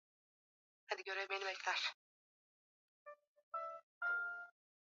ambako ubalozi mdogo ulifunguliwa mwaka elfumoja mianane thelathini na Saba